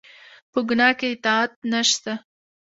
په ګناه کې اطاعت نشته